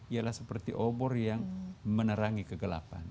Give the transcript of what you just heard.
ialah seperti obor yang menerangi kegelapan